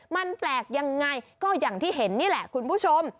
มันแปลกยังไงก็อย่างที่เห็นนี่แหละคุณผู้ชม